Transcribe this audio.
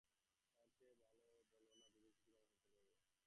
তার চেয়ে বলো-না দিদির চিঠিখানা শেষ করতে হবে।